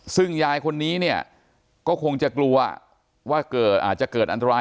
ซึ่งยายคนนี้เนี่ยก็คงจะกลัวว่าอาจจะเกิดอันตราย